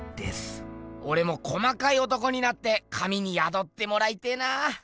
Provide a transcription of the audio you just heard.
オレも細かい男になって神にやどってもらいてぇな。